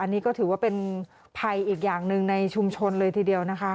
นี่ก็ถือว่าเป็นภัยอีกอย่างหนึ่งในชุมชนเลยทีเดียวนะคะ